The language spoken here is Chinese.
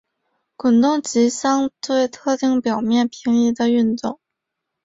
滚动及相对特定表面平移的的运动。